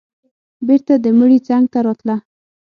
بېرته د مړي څنگ ته راتله.